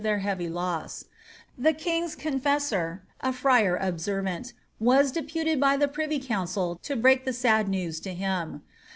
Thr king's confessor, a friar Observant, was deputed by the privy council u break the sad news to him.